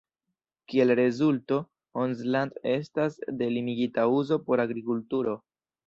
Kiel rezulto, Holzland estas de limigita uzo por agrikulturo.